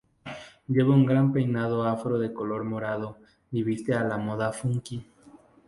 Lleva un gran peinado afro de color morado y viste a la moda funky.